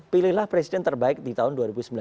pilihlah presiden terbaik di tahun dua ribu sembilan belas